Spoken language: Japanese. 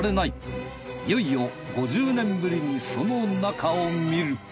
いよいよ５０年ぶりにその中を見る！